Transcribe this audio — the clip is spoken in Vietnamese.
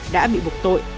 đã bị buộc tội